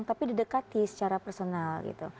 tapi didekati secara personal gitu